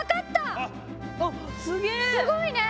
すごいね！